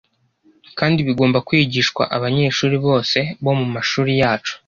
kandi bigomba kwigishwa abanyeshuri bose bo mu mashuri yacu.